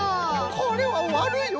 これはわるいよ